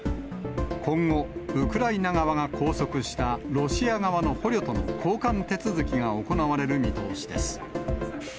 今後、ウクライナ側が拘束したロシア側の捕虜との交換手続きが行われる見通しです。